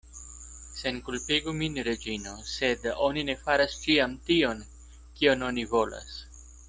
Senkulpigu min, Reĝino: sed oni ne faras ĉiam tion, kion oni volas.